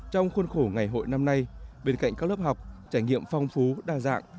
trong khuôn khổ ngày hội năm nay bên cạnh các lớp học trải nghiệm phong phú đa dạng